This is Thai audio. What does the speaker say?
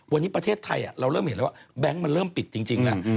วันนี้ประเทศไทยเราเริ่มเห็นแล้วว่าแบงค์มันเริ่มปิดจริงแล้ว